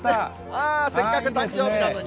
あー、せっかく誕生日なのに。